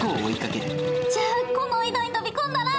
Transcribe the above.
じゃあこの井戸に飛び込んだら。